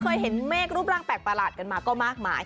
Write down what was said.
เคยเห็นเมฆรูปร่างแปลกประหลาดกันมาก็มากมาย